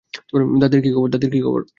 দাদির কি খবর?